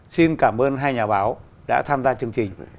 xin cảm ơn hai nhà báo đã tham gia chương trình